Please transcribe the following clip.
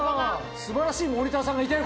素晴らしいモニターさんがいたよ